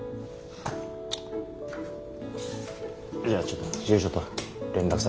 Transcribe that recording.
じゃあちょっと住所と連絡先。